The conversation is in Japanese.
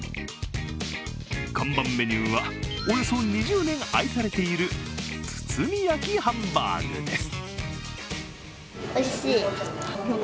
看板メニューはおよそ２０年愛されている包み焼きハンバーグです。